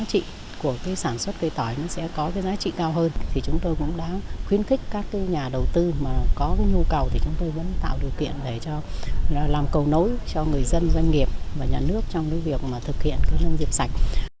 huyện lý sơn đang khuyến khích tạo điều kiện cho người dân và doanh nghiệp tham gia đầu tư vào lĩnh vực nông nghiệp sạch